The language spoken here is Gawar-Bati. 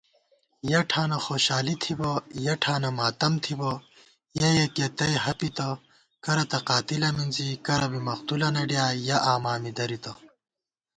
یَہ ٹھانہ خوشالی تھِبہ، یَہ ٹھانہ ماتم تھِبہ یَیَکِیہ تئ ہَپِتہ * کرہ تہ قاتِلہ مِنزی ، کرہ بی مقتولَنہ ڈیائے یَہ آما می دَرِتہ